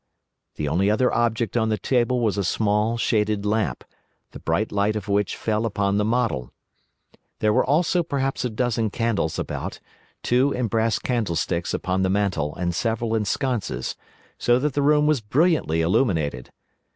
The only other object on the table was a small shaded lamp, the bright light of which fell upon the model. There were also perhaps a dozen candles about, two in brass candlesticks upon the mantel and several in sconces, so that the room was brilliantly illuminated.